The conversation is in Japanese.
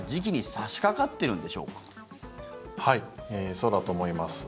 そうだと思います。